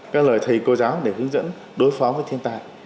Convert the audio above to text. các lời thầy cô giáo để hướng dẫn đối phó với thiên tai